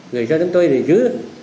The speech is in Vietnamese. gửi cho chúng tôi để giữ